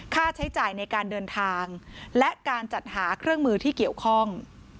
ค่าใช้จ่ายในการเดินทางและการจัดหาเครื่องมือที่เกี่ยวข้อง